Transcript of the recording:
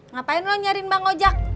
ngapain lo nyarin bang ojek